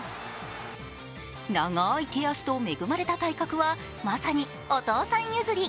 長い手足と恵まれた体格はまさにお父さん譲り。